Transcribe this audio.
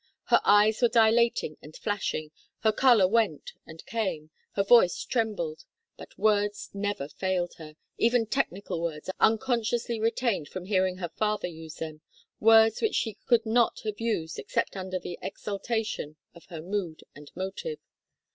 Her eyes were dilating and flashing, her color went and came, her voice trembled, but words never failed her, even technical words unconsciously retained from hearing her father use them, words which she could not have used except under the exaltation of her mood and motive.